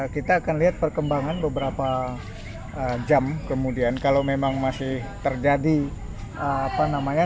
kita akan lihat perkembangan beberapa jam kemudian kalau memang masih terjadi apa namanya